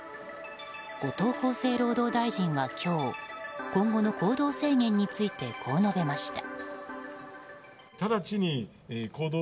後藤厚生労働大臣は今日、今後の行動制限についてこう述べました。